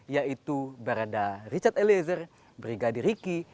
yaitu barada richard eliezer brigadir riki